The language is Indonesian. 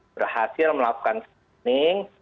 berhasil melakukan screening